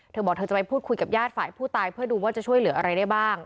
เธอบอกเธอจะไปพูดคุยกับญาติฝ่ายผู้ตายเพื่อดูว่าจะช่วยเหลืออะไรได้บ้าง